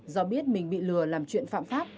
do biết mình bị lừa làm chuyện phạm pháp